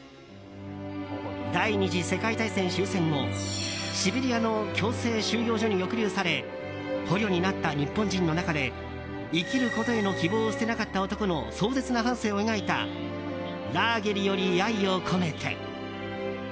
第２次世界大戦終戦後シベリアの強制収用所に抑留され捕虜になった日本人の中で生きることへの希望を捨てなかった男の壮絶な半生を描いた「ラーゲリより愛を込めて」。